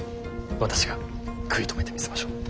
私が食い止めてみせましょう。